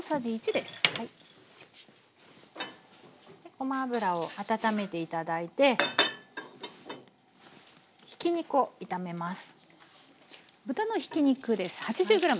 ごま油を温めて頂いてひき肉を炒めます。